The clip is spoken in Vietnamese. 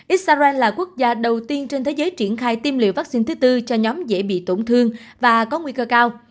israel là quốc gia đầu tiên trên thế giới triển khai tiêm liều vaccine thứ tư cho nhóm dễ bị tổn thương và có nguy cơ cao